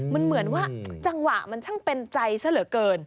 มันเหมือนว่าจังหวะมันช่างเป็นใจซะเหลือเกิน